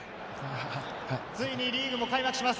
ついにリーグも開幕します。